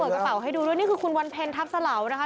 กระเป๋าให้ดูด้วยนี่คือคุณวันเพ็ญทัพสะเหลานะคะ